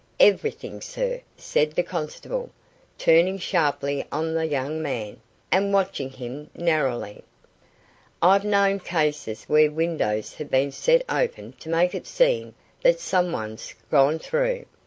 "Everything, sir," said the constable, turning sharply on the young man, and watching him narrowly. "I've known cases where windows have been set open to make it seem that some one's gone through."